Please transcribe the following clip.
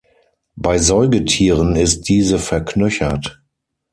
Bei Säugetieren ist diese verknöchert.